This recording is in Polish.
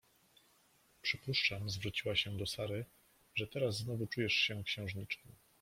Przypuszczam — zwróciła się do Sary — że teraz znowu czujesz się księżniczką.